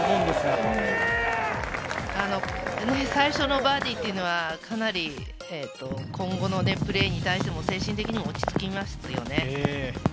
この日、最初のバーディーっていうのは、かなり今後のプレーに対しても精神的にも落ち着きますよね。